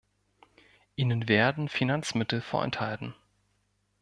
Ihnen werden Finanzmittel vorenthalten.